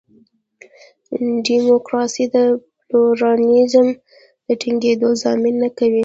ډیموکراسي د پلورالېزم د ټینګېدو ضامن نه کوي.